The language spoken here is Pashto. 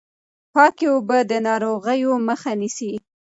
پاکې اوبه د ناروغیو مخه نيسي.